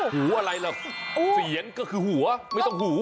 หูอะไรล่ะเสียนก็คือหัวไม่ต้องหู